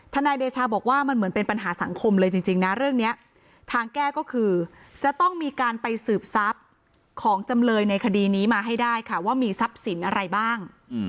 นายเดชาบอกว่ามันเหมือนเป็นปัญหาสังคมเลยจริงนะเรื่องนี้ทางแก้ก็คือจะต้องมีการไปสืบทรัพย์ของจำเลยในคดีนี้มาให้ได้ค่ะว่ามีทรัพย์สินอะไรบ้าง